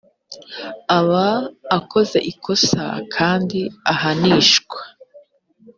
aba akoze ikosa kandi ahanishwa